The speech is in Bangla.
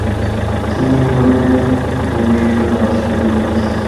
তিনি হলেন গোবিন্দদাস কবিরাজ।